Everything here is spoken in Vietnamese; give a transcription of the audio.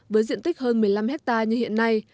với diện tích hơn một mươi năm hectare như hiện nay